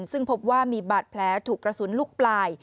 ซึ่งพบว่ามีบาดแผลถูกกระสุนลูกปลาย